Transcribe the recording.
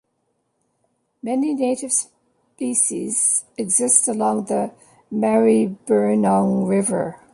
Many native species exist along the Maribyrnong River.